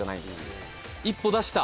一歩出した。